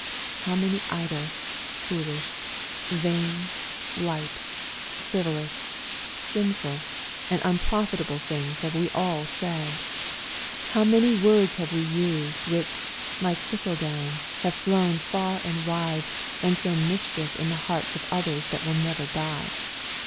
How many idle, foolish, vain, light, frivolous, sinful, and unprofitable things we have all said I How many words we have used, which, like thistle down, have flown far and wide, and sown mischief in the hearts of others that will never die